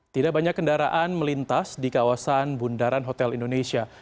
tidak banyak kendaraan melintas di kawasan bundaran hotel indonesia